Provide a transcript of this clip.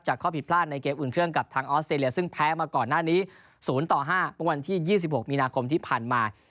ข้อผิดพลาดในเกมอุ่นเครื่องกับทางออสเตรเลียซึ่งแพ้มาก่อนหน้านี้๐ต่อ๕เมื่อวันที่๒๖มีนาคมที่ผ่านมา